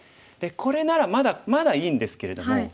これならまだまだいいんですけれども。